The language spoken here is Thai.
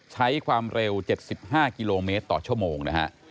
ใช้ความเร็ว๗๕กิโลเมตรต่อชั่วโมงนะฮะ